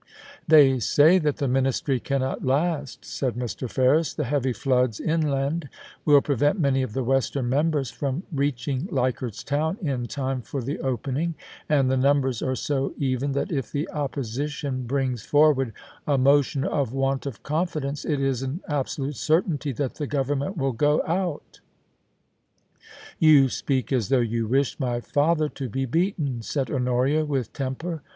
* They say that the Ministry cannot last,' said Mr. Ferris. * The heavy floods inland will prevent many of the western members from reaching Leichardt's Town in time for the opening, and the numbers are so even that if the Opposition brings forward a motion of want of confidence it is an absolute certainty that the Government will go out' * You speak as though you wished my father to be beaten/ said Honoria, with temper.